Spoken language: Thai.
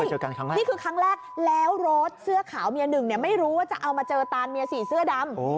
เจอกันครั้งแรกนี่คือครั้งแรกแล้วรถเสื้อขาวเมียหนึ่งเนี่ยไม่รู้ว่าจะเอามาเจอตานเมียสี่เสื้อดำ